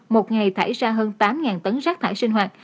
một ngày thải ra hơn tám tấn rác thải sinh hoạt